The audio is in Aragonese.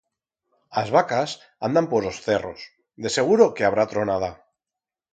As vacas andan por os cerros, de seguro que habrá tronada.